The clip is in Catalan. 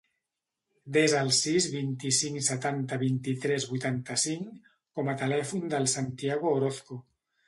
Desa el sis, vint-i-cinc, setanta, vint-i-tres, vuitanta-cinc com a telèfon del Santiago Orozco.